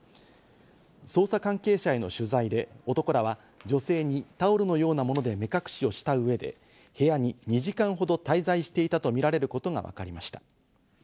捜査関係者への取材で、男らは女性にタオルのようなもので目隠しをした上で、部屋に２時間ほど滞在していたとみられることがわかりました。